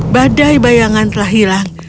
badai bayangan telah hilang